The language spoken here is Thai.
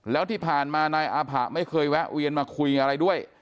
แล้วที่ผ่านมานายอาผะไม่เคยแวะเวียนมาคุยอะไรด้วย